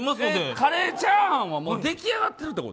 カレーチャーハンは出来上がってるということ？